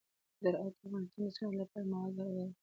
زراعت د افغانستان د صنعت لپاره مواد برابروي.